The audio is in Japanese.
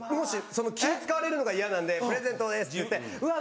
気使われるのが嫌なんでプレゼントですって言ってうわ